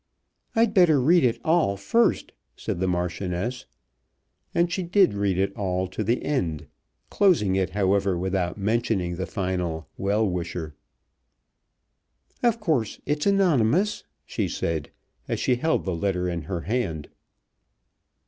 "I'd better read it all first," said the Marchioness. And she did read it all to the end, closing it, however, without mentioning the final "Well Wisher." "Of course it's anonymous," she said, as she held the letter in her hand.